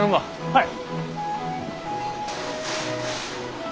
はい！